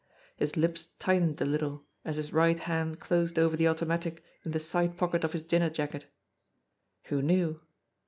His lips tightened a little, as his right hand closed over the automatic in the side pocket of his dinner jacket. Who knew